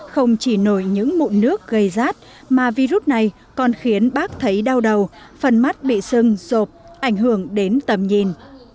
không chỉ nổi những mụn nước gây rát mà virus này còn khiến bác thấy đau đầu phần mắt bị sưng rộp ảnh hưởng đến tầm nhìn